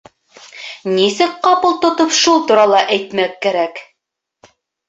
Нисек ҡапыл тотоп шул турала әйтмәк кәрәк?